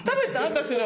私の。